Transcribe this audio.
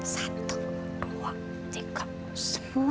satu dua tiga semuanya